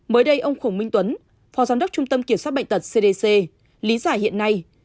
mới đây ông khổng minh tuấn phó giám đốc trung tâm kiểm soát bệnh tật cdc lý giải hiện nay